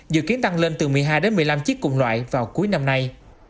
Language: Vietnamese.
dự kiến tăng lên từ một mươi hai đến một mươi năm chiếc cùng loại vào cuối năm nay